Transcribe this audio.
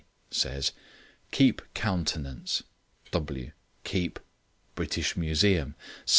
Says... Keep countenance. W. Keep... British Museum.